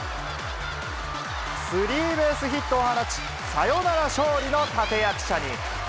スリーベースヒットを放ち、サヨナラ勝利の立て役者に。